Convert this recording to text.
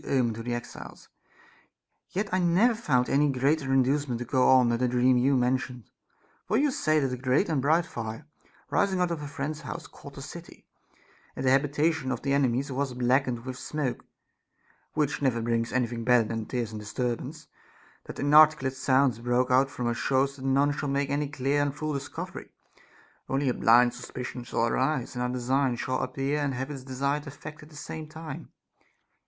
omen to the exiles, yet I never found any greater induce ment to go on than the dream you mentioned ; for you say that a great and bright fire, rising out of a friend's house, caught the city, and that the habitation of the enemies was blackened with smoke, which never brings any thing better than tears and disturbance ; that inarticulate sounds broke out from us shows that none shall make any clear and full discovery ; only a blind suspicion shall arise, and our design shall appear and have its desired effect at the same time.